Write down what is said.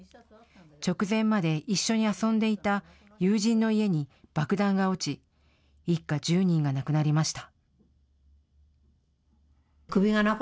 直前まで一緒に遊んでいた友人の家に爆弾が落ち一家１０人が亡くなりました。